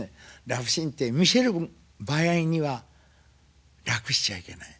ラブシーンって見せる場合には楽しちゃいけない。